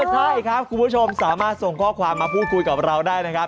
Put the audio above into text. ใช่ครับคุณผู้ชมสามารถส่งข้อความมาพูดคุยกับเราได้นะครับ